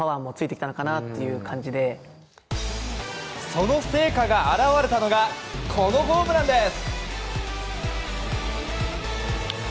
その成果が表れたのがこのホームランです！